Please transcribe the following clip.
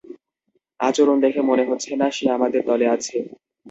আচরণ দেখে মনে হচ্ছে না সে আমাদের দলে আছে।